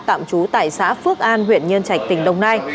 tạm trú tại xã phước an huyện nhân trạch tỉnh đồng nai